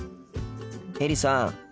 エリさん